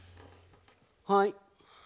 はい。